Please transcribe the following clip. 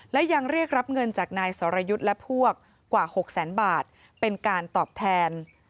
และยังเรียกรับเงินจากนายสรยุทธ์และพวกกว่า๖แสนบาทเป็นการตอบแทน